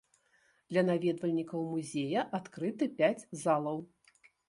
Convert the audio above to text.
Для наведвальнікаў музея адкрыты пяць залаў.